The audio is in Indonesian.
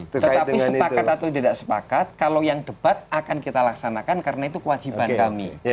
tetapi sepakat atau tidak sepakat kalau yang debat akan kita laksanakan karena itu kewajiban kami